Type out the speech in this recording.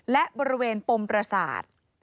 และบริเวณปมประสาท